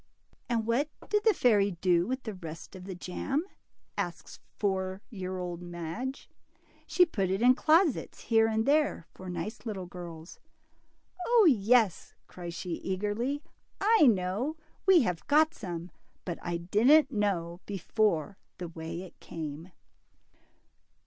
And what did the fairy do with the rest of the jam?" asks four year old Madge. She put it in closets, here and there, for nice little girls." 0 yes," cries she eagerly, I know ; we have got some, but I didn't know before the way it came."